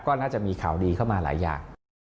ก็น่าจะมีข่าวดีเข้ามาหลายอย่าง